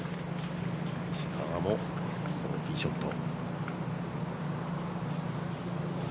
石川もティーショット。